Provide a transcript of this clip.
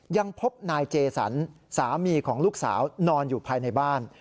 ยังพบนายเจสันสามีของลูกสาวนอนอยู่ภายในบ้าน